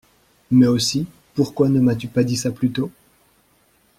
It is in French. Mais aussi, pourquoi ne m’as-tu pas dit ça plus tôt ?